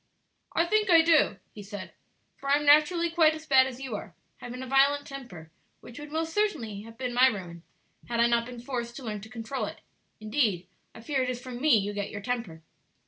"I think I do," he said; "for I am naturally quite as bad as you are, having a violent temper, which would most certainly have been my ruin had I not been forced to learn to control it; indeed I fear it is from me you get your temper.